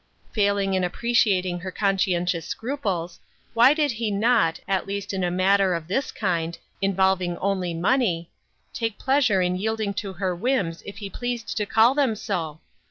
Failing in appreciating her conscientious scruples, why did he not, at least in a matter of this kind, involving only money, take pleasure in yielding to her whims if he pleased to call them so